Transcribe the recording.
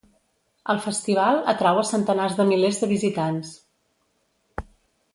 El festival atrau a centenars de milers de visitants.